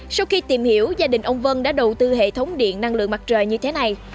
sau khi tìm hiểu gia đình ông vân đã đầu tư hệ thống điện năng lượng mặt trời như thế này